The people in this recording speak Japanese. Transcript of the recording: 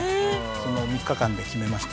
その３日間で決めました。